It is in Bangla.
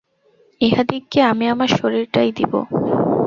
ইঁহাদিগকে আমি আমার শরীরটাই দিব।